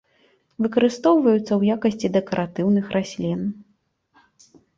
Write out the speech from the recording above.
Выкарыстоўваюцца ў якасці дэкаратыўных раслін.